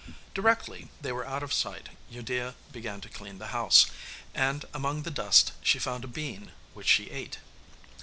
Directly they were out of sight Udea began to clean the house, and among the dust she found a bean which she ate.